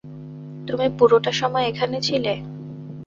তুমি পুরোটা সময় এখানে ছিলে?